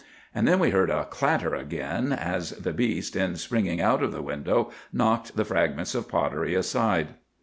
"And then we heard a clatter again, as the beast, in springing out of the window, knocked the fragments of pottery aside.